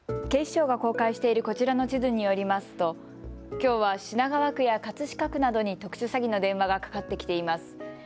警視庁が公開しているこちらの地図によりますときょうは品川区や葛飾区などに特殊詐欺の電話がかかってきています。